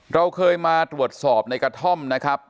เราเคยมาตรวจสอบในกระท่อมนะครับ